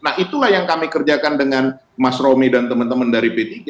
nah itulah yang kami kerjakan dengan mas romi dan teman teman dari p tiga